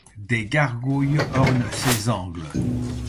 Des gargouilles ornent ses angles.